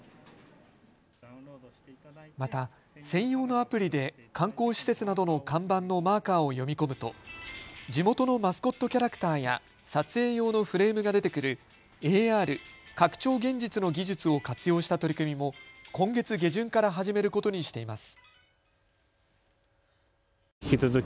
また、専用のアプリで観光施設などの看板のマーカーを読み込むと地元のマスコットキャラクターや撮影用のフレームが出てくるＡＲ・拡張現実の技術を活用した取り組みも今月下旬から始めることにしています。